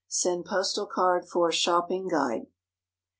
Send Postal Card for "Shopping Guide."